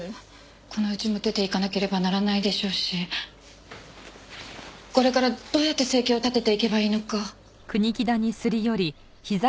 この家も出ていかなければならないでしょうしこれからどうやって生計を立てていけばいいのか。